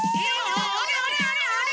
あっあれあれあれ？